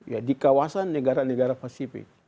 ya di kawasan negara negara pasifik